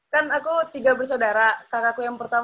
kan aku tiga bersaudara kakakku yang pertama